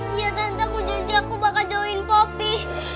iya tante aku janji aku bakal jauhin poppy